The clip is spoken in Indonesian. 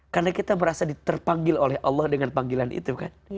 karena kita merasa terpanggil oleh allah dengan panggilan itu kan